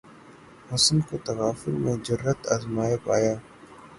حسن کو تغافل میں جرأت آزما پایا